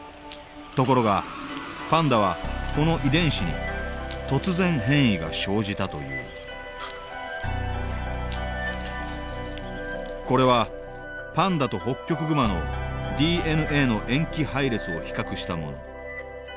ところがパンダはこの遺伝子に突然変異が生じたというこれはパンダとホッキョクグマのＤＮＡの塩基配列を比較したもの。